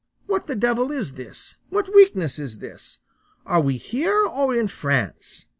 What the devil is this? What weakness is this? Are we here or in France?